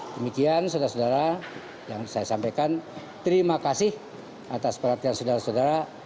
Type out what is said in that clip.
demikian saudara saudara yang saya sampaikan terima kasih atas perhatian saudara saudara